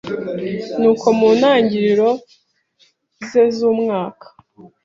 Nuko mu ntangiriro c z umwaka